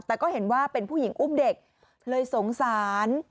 แต่ก็เห็นว่าเป็นผู้หญิงอุ้มเด็กเลยสงสาร